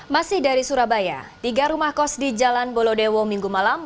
masih dari surabaya tiga rumah kos di jalan bolodewo minggu malam